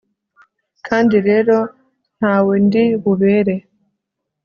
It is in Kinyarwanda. kandi rero, nta we ndi bubere